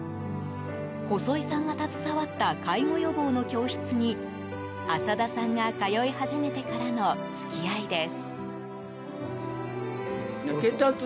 細井さんが携わった介護予防の教室に朝田さんが通い始めてからの付き合いです。